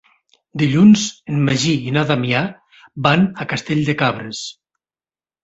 Dilluns en Magí i na Damià van a Castell de Cabres.